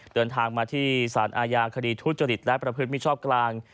เดินทางมาที่สารอาญาคดีทุจริตและประพฤติมิชชอบกลาง